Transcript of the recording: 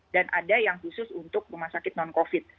dan ada yang khusus untuk rumah sakit non covid